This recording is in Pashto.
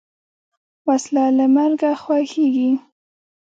وسله له مرګه خوښیږي